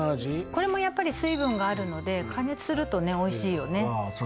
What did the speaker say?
これもやっぱり水分があるので加熱するとねおいしいよねああ